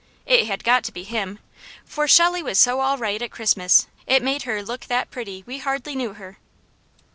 It had got to be him, for Shelley was so all right at Christmas, it made her look that pretty we hardly knew her.